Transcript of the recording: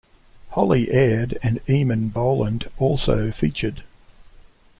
Holly Aird and Eamon Boland also featured.